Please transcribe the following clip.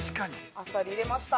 ◆あさりを入れました。